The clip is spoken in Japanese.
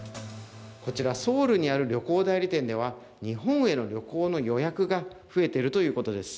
こちらソウルにある旅行代理店では日本への旅行の予約が増えているということです。